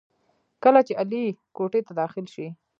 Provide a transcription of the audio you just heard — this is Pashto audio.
کله چې علي کوټې ته داخل شي،